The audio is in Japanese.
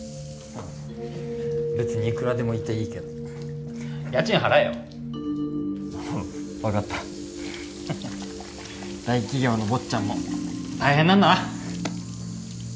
うん別にいくらでもいていいけど家賃払えようん分かった大企業のぼっちゃんも大変なんだな